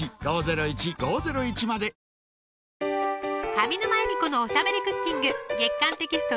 上沼恵美子のおしゃべりクッキング月刊テキスト